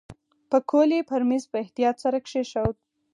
پکول یې پر میز په احتیاط سره کېښود.